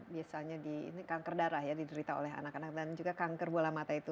biasanya di ini kanker darah ya diderita oleh anak anak dan juga kanker bola mata itu